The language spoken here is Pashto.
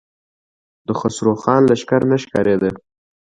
د خسرو خان لښکر نه ښکارېده.